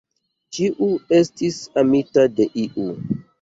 Ĉiu estis amita de iu.